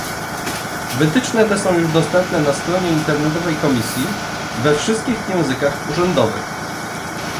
Wytyczne te są już dostępne na stronie internetowej Komisji we wszystkich językach urzędowych